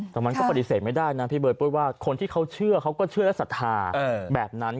แต่มันก็ปฏิเสธไม่ได้นะพี่เบิร์ปุ้ยว่าคนที่เขาเชื่อเขาก็เชื่อและศรัทธาแบบนั้น